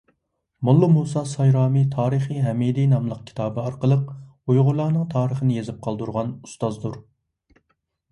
موللا مۇسا سايرامى «تارىخى ھەمىدى» ناملىق كىتابى ئارقىلىق ئۇيغۇرلارنىڭ تارىخىنى يېزىپ قالدۇرغان ئۇستازدۇر.